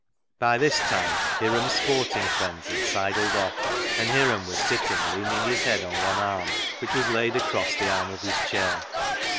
By this time Hiram's sporting friends had sidled off, and Hiram was sitting leaning his head on one arm, which was laid across the arm of his chair.